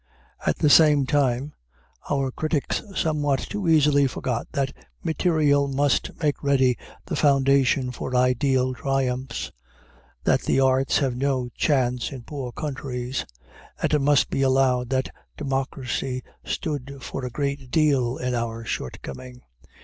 At the same time, our critics somewhat too easily forgot that material must make ready the foundation for ideal triumphs, that the arts have no chance in poor countries. And it must be allowed that democracy stood for a great deal in our shortcoming.